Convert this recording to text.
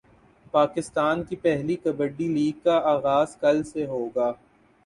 پاکستان کی پہلی کبڈی لیگ کا غاز کل سے ہوگا